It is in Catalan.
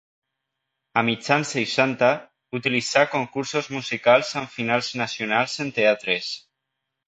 A mitjan seixanta, utilitzà concursos musicals amb finals nacionals en teatres.